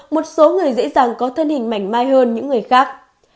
một số người dễ dàng có thân hình mảnh mai hơn những người khác